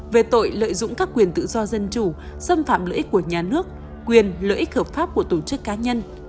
về tội lợi dụng các quyền tự do dân chủ xâm phạm lợi ích của nhà nước quyền lợi ích hợp pháp của tổ chức cá nhân